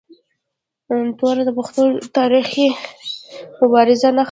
توره د پښتنو د تاریخي مبارزو نښه ده.